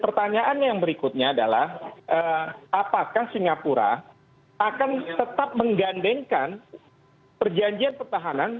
pertanyaannya yang berikutnya adalah apakah singapura akan tetap menggandengkan perjanjian pertahanan